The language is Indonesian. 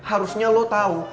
harusnya lo tau